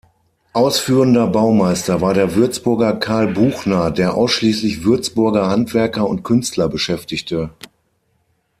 Ausführender Baumeister war der Würzburger Karl Buchner, der ausschließlich Würzburger Handwerker und Künstler beschäftigte.